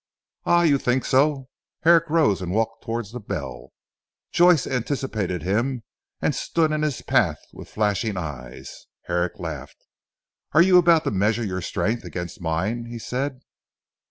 "Ah! You think so." Herrick rose and walked towards the bell. Joyce anticipated him and stood in his path with flashing eyes. Herrick laughed. "Are you about to measure your strength against mine?" he said.